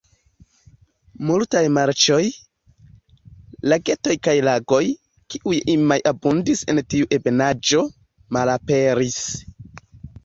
Multaj marĉoj, lagetoj kaj lagoj, kiuj iam abundis en tiu ebenaĵo, malaperis.